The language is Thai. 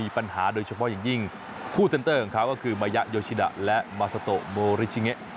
ปัญหาโดยเฉพาะอย่างยิ่งคู่เซ็นเตอร์ของเขาก็คือมายะโยชิดะและมาซาโตโมริชิเงะ